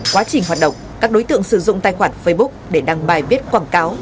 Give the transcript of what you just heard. quá trình hoạt động các đối tượng sử dụng tài khoản facebook để đăng bài viết quảng cáo